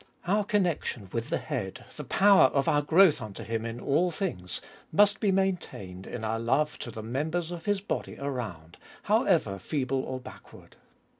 Our connection with the head, the power of our growth unto Him in all things, must be maintained in our love to the members of His body around, however feeble or backward.